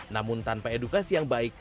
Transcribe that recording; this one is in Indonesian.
namun tanpa edukasi yang baik